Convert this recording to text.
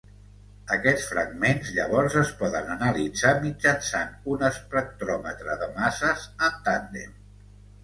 Aquests fragments llavors es poden analitzar mitjançant un espectròmetre de masses en tàndem.